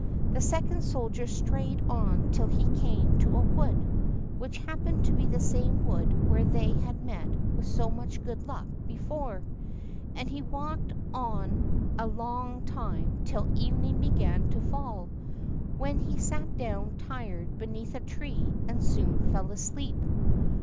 The second soldier strayed on till he came to a wood (which happened to be the same wood where they had met with so much good luck before), and he walked on a long time till evening began to fall, when he sat down tired beneath a tree and soon fell asleep.